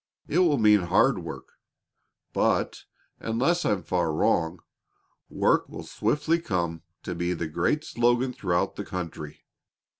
It will mean hard work, but, unless I'm far wrong, work will swiftly come to be the great slogan throughout the country.